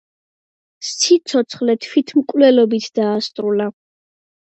სიცოცხლე თვითმკვლელობით დაასრულა.